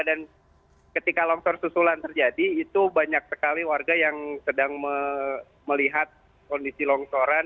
dan ketika longsor susulan terjadi itu banyak sekali warga yang sedang melihat kondisi longsoran